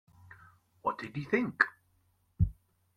What did you think?